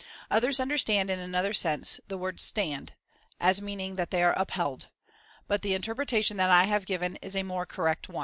Others understand in another sense the word stand, as meaning that they are upheld^; but the interpr etation that I have given is a more correct one.